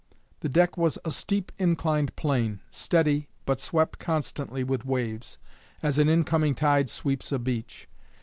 The deck was a steep inclined plane, steady, but swept constantly with waves, as an incoming tide sweeps a beach.